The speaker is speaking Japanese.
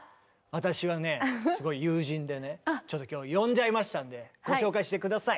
私はねすごい友人でねちょっと今日呼んじゃいましたんでご紹介して下さい。